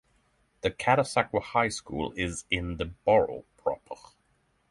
The Catasauqua High school is in the borough proper.